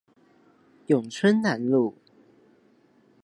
永春南路